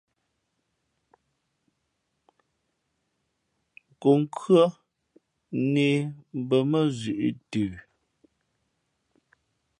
Kǒnkhʉ́ά nē mbᾱ mα nά zʉ̌ʼ ntə.